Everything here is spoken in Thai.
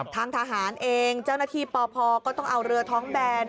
ทางทหารเองเจ้าหน้าที่ปพก็ต้องเอาเรือท้องแบน